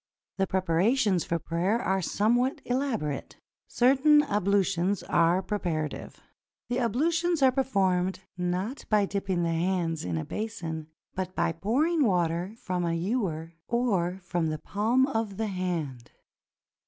The preparations for prayer are somewhat elaborate. Certain ablutions are preparative. The ablutions are performed, not by dipping the hands in a basin, but by pouring water from a ewer or from the palm of the hand.